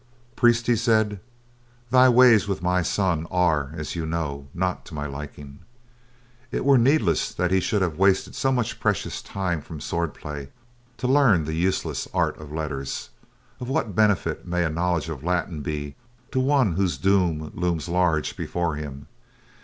"Priest," he said, "thy ways with my son are, as you know, not to my liking. It were needless that he should have wasted so much precious time from swordplay to learn the useless art of letters. Of what benefit may a knowledge of Latin be to one whose doom looms large before him.